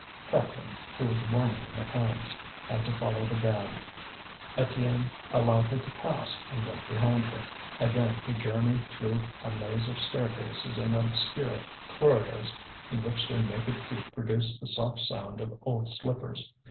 Catherine, who was warming her hands, had to follow the band. Étienne allowed her to pass, and went behind her. Again he journeyed through a maze of staircases and obscure corridors in which their naked feet produced the soft sound of old slippers.